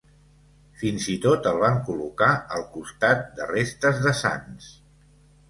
Fins i tot el van col·locar al costat de restes de sants.